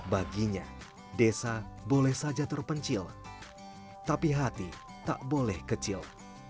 baginya desa boleh saja terpencil tapi hati tak boleh kecil